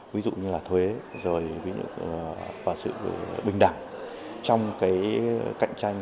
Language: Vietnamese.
ví dụ như là thuế rồi ví dụ như là sự bình đẳng trong cái cạnh tranh